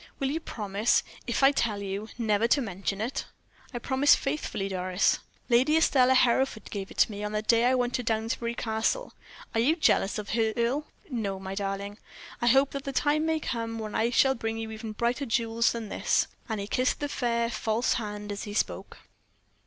"Will you promise, if I tell you, never to mention it?" "I promise faithfully, Doris." "Lady Estelle Hereford gave it to me on the day I went to Downsbury Castle. Are you jealous of her, Earle?" "No, my darling. I hope the time may come when I shall bring you even brighter jewels than this," and he kissed the fair, false hand as he spoke.